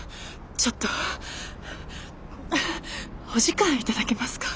ちょっとお時間頂けますか？